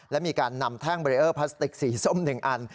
และมีการนำแท่งเบรีเออร์พลาสติกสีส้ม๑อัน